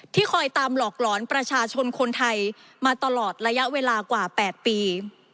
คอยตามหลอกหลอนประชาชนคนไทยมาตลอดระยะเวลากว่า๘ปี